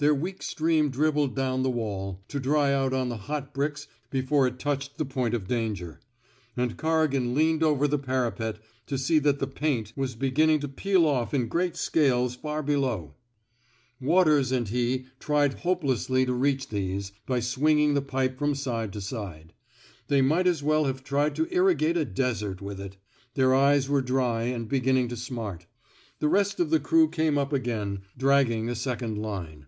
Their weak stream dribbled down the wall, to dry out on the hot bricks before it touched the point of danger; and Corrigan leaned over the parapet to see that the paint was 198 TRAINING '^ SALLY'' WATEES beginning to peel off in great scales far be low. Waters and he tried hopelessly to reach these, by swinging the pipe from side to side. They might as well have tried to irrigate a desert with it. Their eyes were dry and beginning to smart. The rest of the crew came up again, drag ging a second line.